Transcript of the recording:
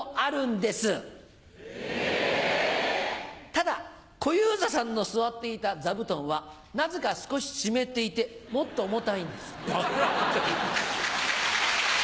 ただ小遊三さんの座っていた座布団はなぜか少し湿っていてもっと重たいんです。